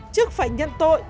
chức phải nhận tội